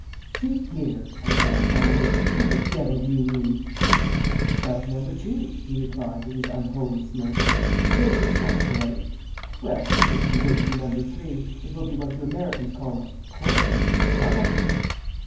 "See here," I cried, finally, "what the devil do you mean?" "Shove number two," he replied, with his unholy smirk. "Very successful, eh? Werl, just you wait for number three. It will be what you Americans call a corker. By bye."